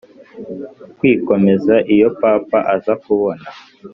kwikomeza Iyo papa aza kubona